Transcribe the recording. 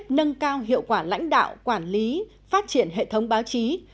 để sắp xếp nâng cao hiệu quả lãnh đạo quản lý phát triển hệ thống báo chí